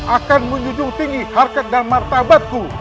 akan menjunjung tinggi harkat dan martabatku